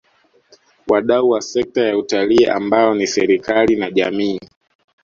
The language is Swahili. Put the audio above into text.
Wadau wa sekta ya Utalii ambao ni serikali na jamii